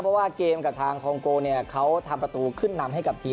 เพราะว่าเกมกับทางคองโกเนี่ยเขาทำประตูขึ้นนำให้กับทีม